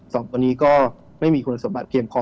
สองคนนี้ก็ไม่มีคุณสมบัติเพียงพอ